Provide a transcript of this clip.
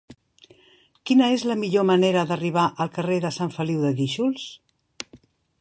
Quina és la millor manera d'arribar al carrer de Sant Feliu de Guíxols?